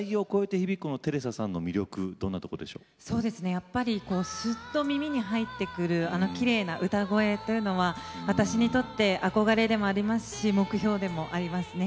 やっぱりすっと耳に入ってくるあのきれいな歌声というのは私にとって憧れでもありますし目標でもありますね。